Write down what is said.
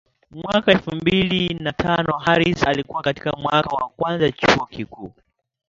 Mwaka elfu mbili na tano Harris alikuwa katika mwaka wa kwanza Chuo Kikuu